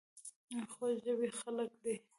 خوږ ژبې خلک دي .